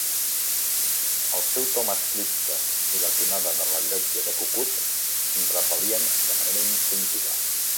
El seu to masclista i la tonada de rellotge de cucut em repel·lien de manera instintiva.